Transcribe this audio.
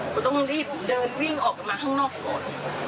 ก็ต้องรีบเดินวิ่งออกมาข้างนอกก่อน